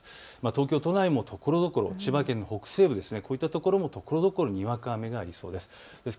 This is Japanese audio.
東京都内もところどころ千葉県の北西部、こういった所もにわか雨がありそうです。